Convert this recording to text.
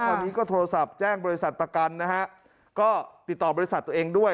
ตอนนี้ก็โทรศัพท์แจ้งบริษัทประกันนะฮะก็ติดต่อบริษัทตัวเองด้วย